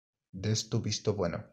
des tu visto bueno